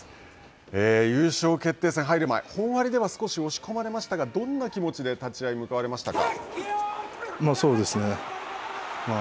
優勝決定戦に入る前本割では、少し押し込まれましたが、どんな気持ちで立ち合いに向かわれましたか。